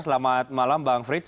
selamat malam bang frits